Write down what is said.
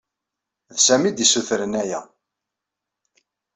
D Sami ay d-yessutren aya.